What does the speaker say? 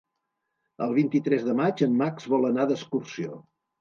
El vint-i-tres de maig en Max vol anar d'excursió.